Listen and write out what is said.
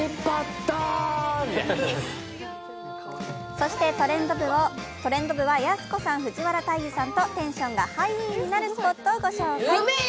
そして「トレンド部」はやす子さん、藤原大祐さんとテンションがハイ！になるスポットをご紹介。